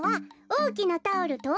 おおきなタオルと。